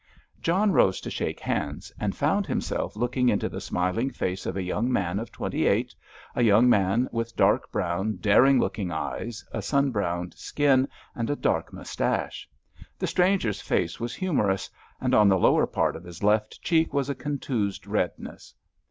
John rose to shake hands, and found himself looking into the smiling face of a young man of twenty eight, a young man with dark brown, daring looking eyes, a sun browned skin, and a dark moustache. The stranger's face was humorous, and on the lower part of his left cheek was a contused redness.